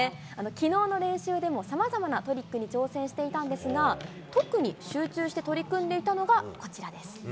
きのうの練習でも、さまざまなトリックに挑戦していたんですが、特に集中して取り組んでいたのが、こちらです。